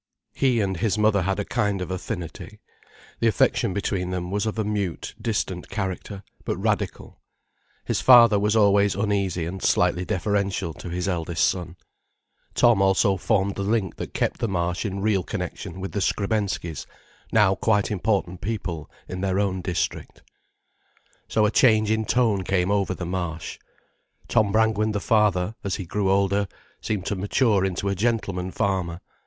He and his mother had a kind of affinity. The affection between them was of a mute, distant character, but radical. His father was always uneasy and slightly deferential to his eldest son. Tom also formed the link that kept the Marsh in real connection with the Skrebenskys, now quite important people in their own district. So a change in tone came over the Marsh. Tom Brangwen the father, as he grew older, seemed to mature into a gentleman farmer.